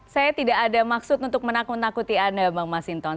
saya tidak ada maksud untuk menakut nakuti anda bang masinton